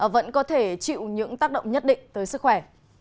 vẫn có thể chịu những tác động nhất định tới sức khỏe